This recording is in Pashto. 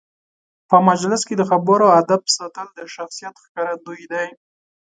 په مجلس کې د خبرو آدب ساتل د شخصیت ښکارندوی دی.